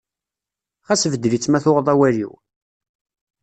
Xas beddel-itt ma tuɣeḍ awal-iw.